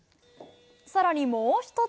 さらにもう一つ。